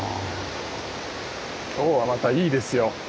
今日はまたいいですよ。